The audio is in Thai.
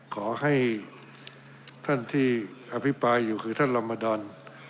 ขอให้ท่านที่อภิปรายอยู่คือท่านลอมดอน